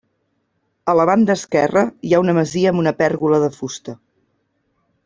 A la banda esquerra, hi ha una masia amb una pèrgola de fusta.